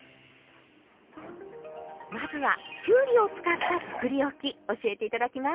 まずはきゅうりを使ったつくりおき教えて頂きます。